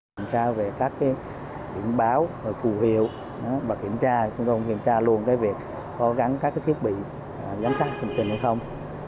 kiểm tra về các biển báo phù hiệu và kiểm tra chúng tôi cũng kiểm tra luôn việc có gắn các thiết bị giám sát thông trình hay không